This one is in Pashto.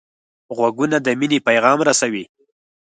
غوږونه د مینې پیغام رسوي